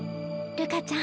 瑠夏ちゃん。